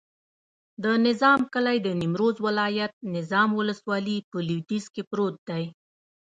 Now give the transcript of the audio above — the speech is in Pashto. د نظام کلی د نیمروز ولایت، نظام ولسوالي په لویدیځ کې پروت دی.